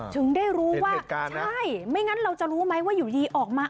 ถึงได้รู้ว่าใช่ไม่งั้นเราจะรู้ไหมว่าอยู่ดีออกมา